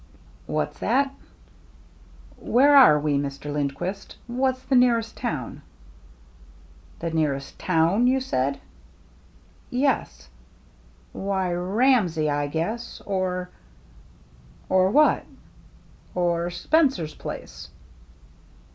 "What's that?" " Where are we, Mr. Lindquist ? What's the nearest town ?"" The nearest town, you said ?" "Yes." " Why, Ramsey, I guess, or —" "Or— what?" " Or — Spencer's place."